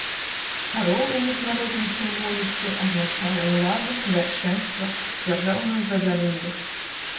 Арол у міжнароднай сімволіцы азначае ўладу, вяршэнства, дзяржаўную празарлівасць.